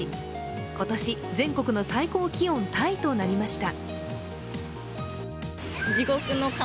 今年、全国の最高気温タイとなりました。